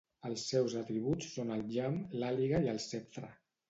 Els seus atributs són el llamp, l'àliga i el ceptre.